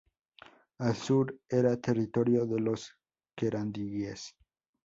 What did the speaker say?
Al sur era territorio de los querandíes.